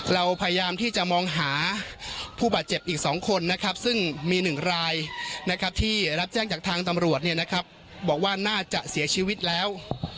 เราพยายามที่จะมองหาผู้บาดเจ็บอีก๒คนนะครับซึ่งมี๑รายนะครับที่รับแจ้งจากทางตำรวจบอกว่าน่าจะเสียชีวิตแล้ว